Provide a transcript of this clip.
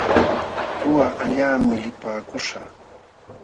Uqa allaqmi lipaakuśhaq.